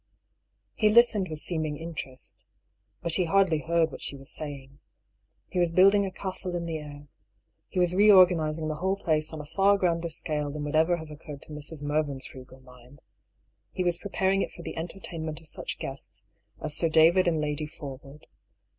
He listened with seeming interest. But he hardly heard what she was saying. He was building a castle in 190 I>R. PAULL'S THEORr. the air. He was reorganising the whole place on a far grander scale than would ever have occurred to Mrs. Mervyn's frugal mind — he was preparing it for the en tertainment of such guests as Sir David and Lady For wood.